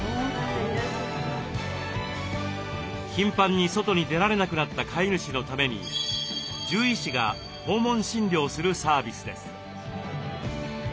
頻繁に外に出られなくなった飼い主のために獣医師が訪問診療するサービスです。